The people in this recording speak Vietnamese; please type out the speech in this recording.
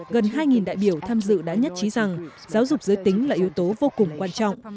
gần hai đại biểu tham dự đã nhất trí rằng giáo dục giới tính là yếu tố vô cùng quan trọng